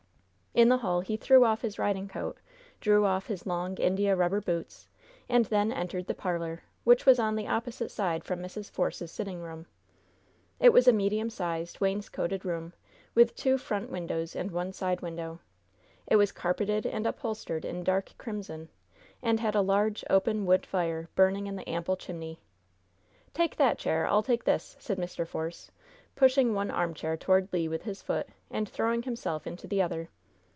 In the hall he threw off his riding coat, drew off his long, India rubber boots, and then entered the parlor, which was on the opposite side from Mrs. Force's sitting room. It was a medium sized, wainscoted room, with two front windows and one side window. It was carpeted and upholstered in dark crimson, and had a large, open wood fire burning in the ample chimney. "Take that chair! I'll take this," said Mr. Force, pushing one armchair toward Le with his foot, and throwing himself into the other.